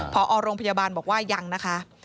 พอโรงพยาบาลบอกว่ายังนะคะ